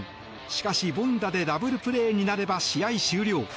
しかし凡打でダブルプレーになれば試合終了。